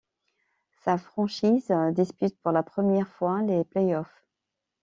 Sa franchise dispute pour la première fois les playoffs.